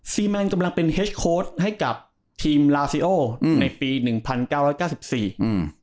สีแมนกำลังเป็นให้กับทีมอืมในปีหนึ่งพันเก้าระเก้าสิบสี่อืม